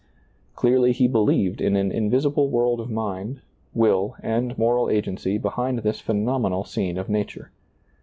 Clearly he believed in an invisible world of mind, will and moral agency behind this phenomenal scene of nature.